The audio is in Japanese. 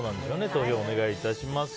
投票お願い致します。